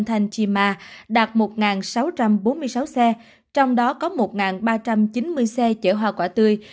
thành chima đạt một sáu trăm bốn mươi sáu xe trong đó có một ba trăm chín mươi xe chở hoa quả tươi